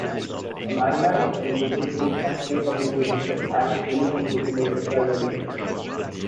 Amanda is available both as a free community edition and fully supported enterprise edition.